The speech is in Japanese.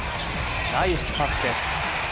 ナイスパスです。